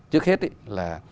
trước hết là